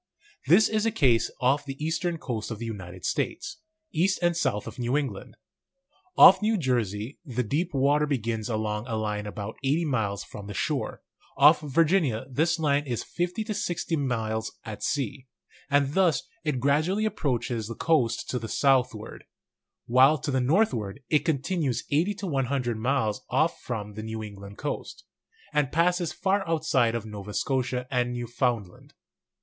This is the case off the eastern coast of the United States, east and south of New England. Off New Jersey the deep water begins along a line about 80 miles from the shore; off Virginia this line is 50 to 60 miles at sea; and thus it gradually approaches the coast to the southward; while to the northward it continues 80 to 100 miles off from the New England coast, and passes far outside of Nova Scotia and Newfoundland.